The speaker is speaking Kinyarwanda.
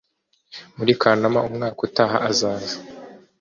muri Kanama umwaka utaha azaza